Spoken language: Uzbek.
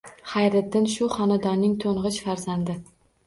Xayriddin shu xonadonning to`ng`ich farzandi